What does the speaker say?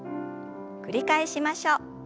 繰り返しましょう。